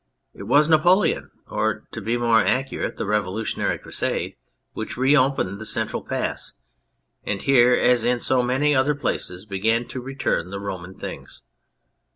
It was Napoleon, or, to be more accurate, the Revolutionary Crusade, which reopened the central pass, and here, as in so many other places, began the return to Roman things.